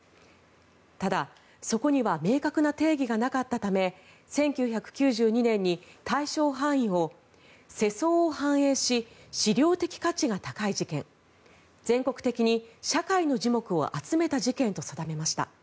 ただ、そこには明確な定義がなかったため１９９２年に対象範囲を世相を反映し史料的価値が高い事件全国的に社会の耳目を集めた事件と定めました。